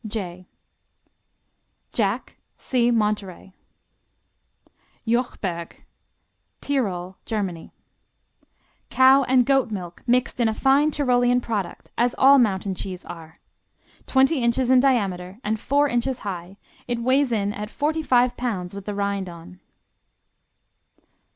J Jack see Monterey. Jochberg Tyrol, Germany Cow and goat milk mixed in a fine Tyrolean product, as all mountain cheese are. Twenty inches in diameter and four inches high, it weighs in at forty five pounds with the rind on.